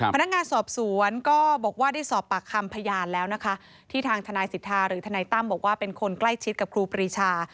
พนักงานสอบสวนก็บอกว่าได้สอบปากคำพยานแล้วนะคะที่ทางทนายสิทธาหรือทนายตั้มบอกว่าเป็นคนใกล้ชิดกับครูปรีชา